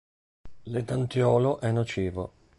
L'etantiolo è nocivo.